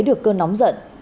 được cơn nóng giận